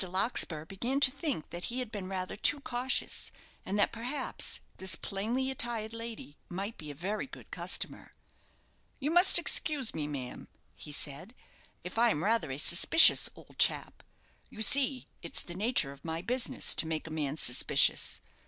Larkspur began to think that he had been rather too cautious; and that perhaps, this plainly attired lady might be a very good customer. "You must excuse me, ma'am," he said, "if I'm rather a suspicious old chap. You see, it's the nature of my business to make a man suspicious.